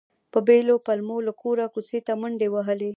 په بېلو پلمو له کوره کوڅې ته منډې وهلې.